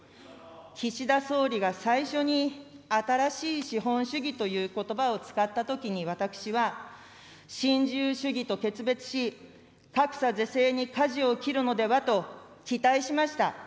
岸田総理が最初に新しい資本主義ということばを使ったときに私は、新自由主義と決別し、格差是正にかじを切るのではと、期待しました。